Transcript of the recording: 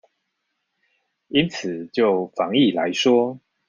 因此就防疫來說